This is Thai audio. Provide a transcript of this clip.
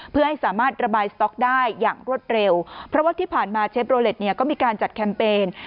เพื่อให้สามารถระบายสต๊อกได้อย่างรวดเร็วเพราะว่าที่ผ่านมาเชฟโรเล็ตเนี่ยก็มีการจัดแคมเปญ